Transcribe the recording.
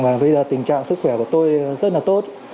và bây giờ tình trạng sức khỏe của tôi rất là tốt